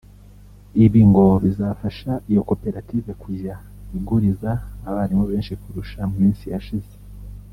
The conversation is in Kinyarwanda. Ibi ngo bizafasha iyo koperative kujya iguriza abarimu benshi kurusha mu minsi yashize